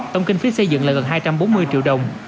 tổng kinh phí xây dựng là gần hai trăm bốn mươi triệu đồng